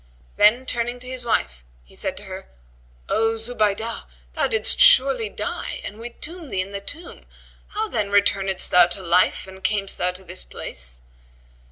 Then, turning to his wife, he said to her, "O Zubaydah, thou didst surely die and we tombed thee in the tomb: how then returnedst thou to life and camest thou to this place?"